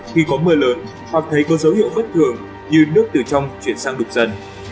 khi có mưa lớn hoặc thấy có dấu hiệu bất thường như nước từ trong chuyển sang đục dần